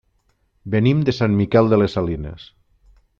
Venim de Sant Miquel de les Salines.